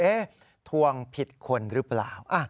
ทวงผิดคนหรือเปล่า